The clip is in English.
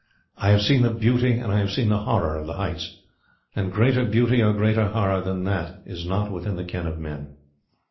I have seen the beauty and I have seen the horror of the heights and greater beauty or greater horror than that is not within the ken of man.